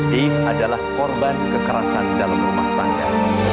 die adalah korban kekerasan dalam rumah tangga